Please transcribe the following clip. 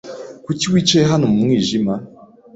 Kuki wicaye hano mu mwijima?